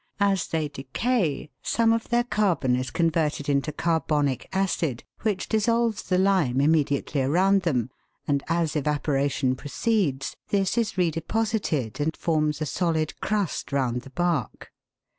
As they decay, some of their carbon is converted into carbonic acid, which dissolves the lime immediately around them, and as evaporation proceeds, this is re deposited and forms a solid crust round the bark.